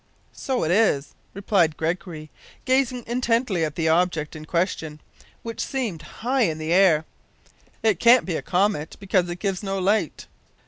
"So it is," replied Gregory, gazing intently at the object in question, which seemed high up in the air. "It can't be a comet, because it gives no light."